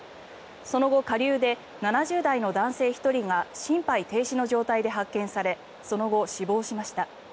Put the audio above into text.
その後、下流で７０代の男性１人が心肺停止の状態で発見されその後、死亡しました。